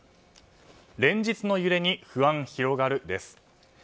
連日の揺れに不安広がるです。